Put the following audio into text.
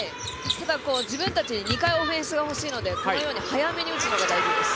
自分たち、２回オフェンスがほしいのでこのように早めに打つのが大事です。